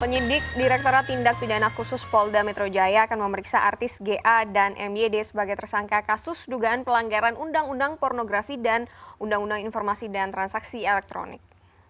penyidik direkturat tindak pidana khusus polda metro jaya akan memeriksa artis ga dan myd sebagai tersangka kasus dugaan pelanggaran undang undang pornografi dan undang undang informasi dan transaksi elektronik